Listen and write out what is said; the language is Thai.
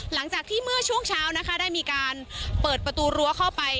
หลังจากที่เมื่อช่วงเช้านะคะได้มีการเปิดประตูรั้วเข้าไป